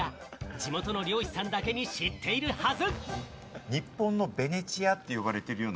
地元の漁師さんだけに、知っているはず。